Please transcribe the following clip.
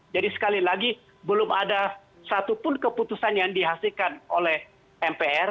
jadi sekali lagi belum ada satu pun keputusan yang dihasilkan oleh mpr